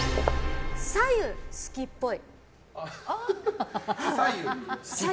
白湯、好きっぽい。